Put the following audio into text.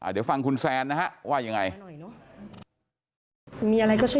เดี๋ยวฟังคุณแซนนะฮะว่ายังไง